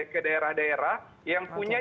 ke daerah daerah yang punya